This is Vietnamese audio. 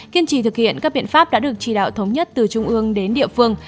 kiên trì thực hiện các biện pháp đã được chỉ đạo thống nhất từ trung ương đến địa phương